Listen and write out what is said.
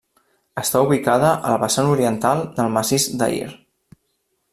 Està ubicada al vessant oriental del massís d'Aïr.